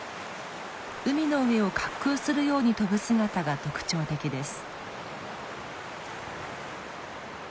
海の上を滑空するように飛ぶ姿が特徴的です。